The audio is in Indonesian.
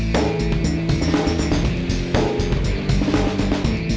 gak bakal dicampur